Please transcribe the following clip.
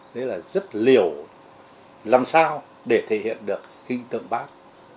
đấy là rất liều làm sao để thể hiện được hình tượng bác